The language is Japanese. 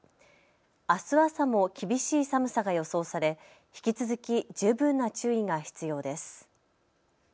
あす朝も厳しい寒さが予想され引き続き十分な注意が必要です。